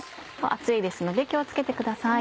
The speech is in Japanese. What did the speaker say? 熱いですので気を付けてください。